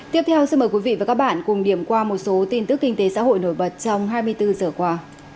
tiếp theo xin mời quý vị và các bạn cùng điểm qua một số tin tức kinh tế xã hội nổi bật trong hai mươi bốn giờ qua